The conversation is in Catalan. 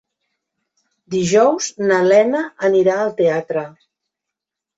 Dijous na Lena anirà al teatre.